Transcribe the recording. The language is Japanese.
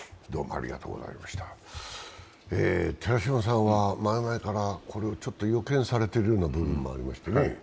寺島さんは前々からこれを予見されているような部分もありましたね。